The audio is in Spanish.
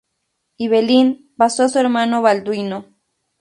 Ibelín pasó a su hermano Balduino.